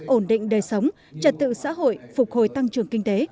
ổn định đời sống trật tự xã hội phục hồi tăng trưởng kinh tế